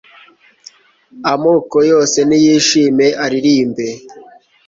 Amoko yose niyishime aririmbe